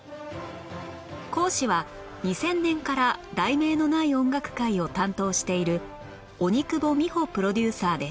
講師は２０００年から『題名のない音楽会』を担当している鬼久保美帆プロデューサーです